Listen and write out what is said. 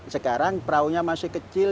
sekarang peraunya masih kecil